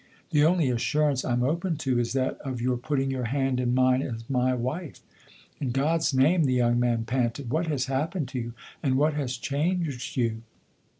The only assurance I'm open to is that of your putting your hand in mine as my wife. In God's name," the young man panted, " what has happened to you and what has changed you